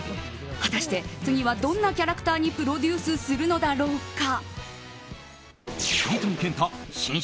果たして次はどんなキャラクターにプロデュースするのだろうか。